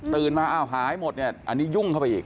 ตื่นมาหายหมดอันนี้ยุ่งเข้าไปอีก